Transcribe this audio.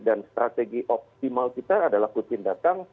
strategi optimal kita adalah putin datang